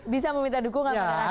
bisa meminta dukungan dari rakyat